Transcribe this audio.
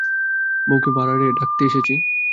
বউকে ভাঁড়ারে ডাকতে এসেছি।